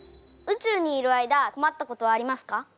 宇宙にいる間こまったことはありますか？